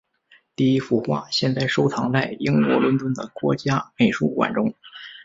第一幅画现在收藏在英国伦敦的国家美术馆中。